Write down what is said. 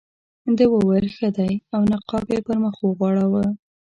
ده وویل ښه دی او نقاب یې پر مخ وغوړاوه.